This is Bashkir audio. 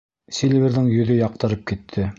Сильверҙың йөҙө яҡтырып китте.